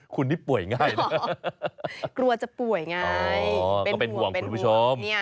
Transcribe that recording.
คุณนี่ป่วยง่ายนะกลัวจะป่วยไงเป็นห่วงคุณผู้ชม